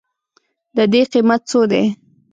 د دې قیمت څو دی؟